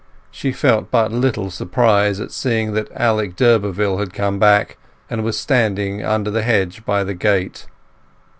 She felt but little surprise at seeing that Alec d'Urberville had come back, and was standing under the hedge by the gate.